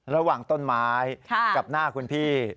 ระหว่างต้นไม้กับหน้าคุณพี่